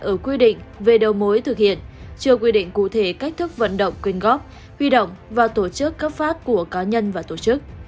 ở quy định về đầu mối thực hiện chưa quy định cụ thể cách thức vận động quyên góp huy động vào tổ chức cấp phát của cá nhân và tổ chức